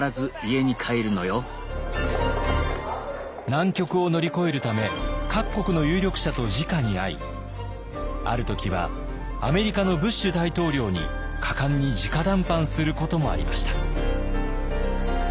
難局を乗り越えるため各国の有力者とじかに会いある時はアメリカのブッシュ大統領に果敢にじか談判することもありました。